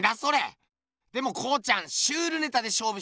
でも康ちゃんシュールネタでしょうぶしてよかったな。